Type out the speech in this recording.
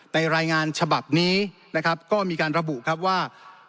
รายงานฉบับนี้นะครับก็มีการระบุครับว่า